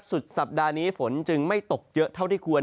สุดสัปดาห์นี้ฝนจึงไม่ตกเยอะเท่าที่ควร